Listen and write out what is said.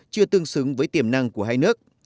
chưa tương xứng với tiềm năng của hai nước